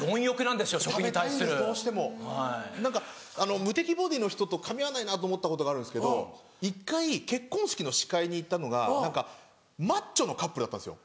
無敵ボディの人とかみ合わないなと思ったことがあるんですけど１回結婚式の司会に行ったのがマッチョのカップルだったんですよ